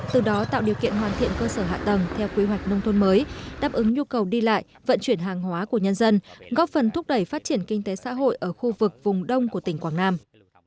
từ đó tạo điều kiện hoàn thiện cơ sở hạ tầng theo quy hoạch nông thôn mới đáp ứng nhu cầu đi lại vận chuyển hàng hóa của nhân dân góp phần thúc đẩy phát triển kinh tế xã hội ở khu vực vùng đông của tỉnh quảng nam